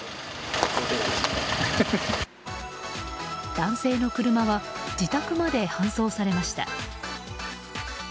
男性の車は自宅まで搬送されました。